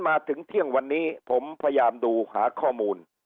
มาถึงเที่ยงวันนี้ผมพยายามดูหาข้อมูล